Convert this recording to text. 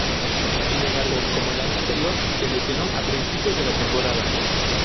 Sin embargo, como el año anterior, se lesionó a principios de la temporada.